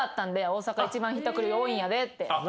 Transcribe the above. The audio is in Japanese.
大阪一番ひったくりが多いんやでって。